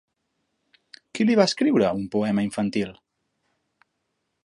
Qui li va escriure un poema infantil?